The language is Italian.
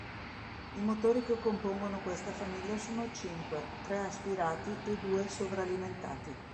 I motori che compongono questa famiglia sono cinque, tre aspirati e due sovralimentati.